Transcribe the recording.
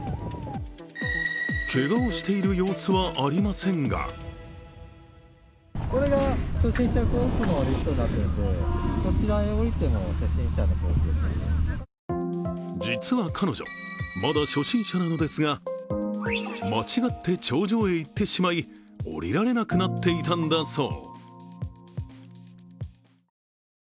けがをしている様子はありませんが実は彼女、まだ初心者なのですが間違って頂上へ行ってしまい降りられなくなっていたんだそう。